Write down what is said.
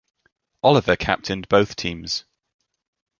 Oliver captained both teams.